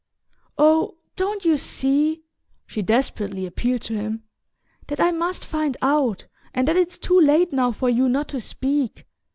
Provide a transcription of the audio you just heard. Oh, don't you see," she desperately appealed to him, "that I must find out, and that it's too late now for you not to speak?